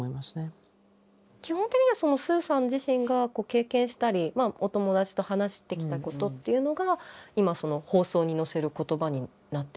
基本的にはスーさん自身が経験したりお友達と話してきたことっていうのが今放送に乗せる言葉になっているんでしょうかね？